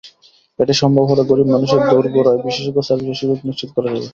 এটি সম্ভব হলে গরিব মানুষের দোরগোড়ায় বিশেষজ্ঞ সার্ভিসের সুযোগ নিশ্চিত করা যাবে।